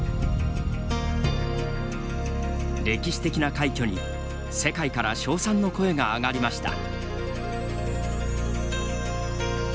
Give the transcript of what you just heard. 歴史的な快挙に世界から称賛の声があがりました。